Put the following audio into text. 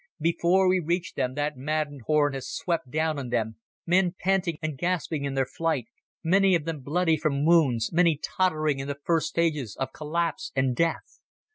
Before we reached them that maddened horde had swept down on them, men panting and gasping in their flight, many of them bloody from wounds, many tottering in the first stages of collapse and death.